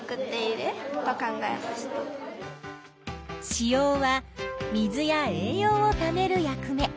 子葉は水や栄養をためる役目。